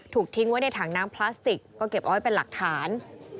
ทิ้งไว้ในถังน้ำพลาสติกก็เก็บเอาไว้เป็นหลักฐาน